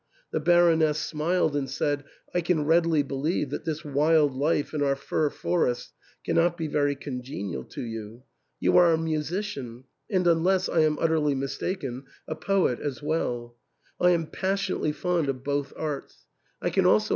. The Baroness smiled and said, " I can readily believe that this wild life in our fir for ests cannot be very congenial to you. You are a mu sician, and, unless I am utterly mistaken, a poet as well I am passionately fond of both arts. I can also THE ENTAIL.